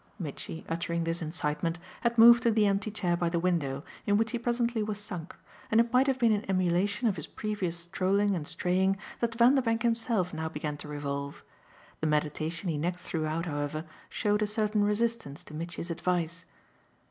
Mitchy, uttering this incitement, had moved to the empty chair by the window, in which he presently was sunk; and it might have been in emulation of his previous strolling and straying that Vanderbank himself now began to revolve. The meditation he next threw out, however, showed a certain resistance to Mitchy's advice.